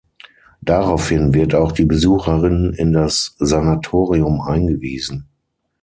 Daraufhin wird auch die Besucherin in das Sanatorium eingewiesen.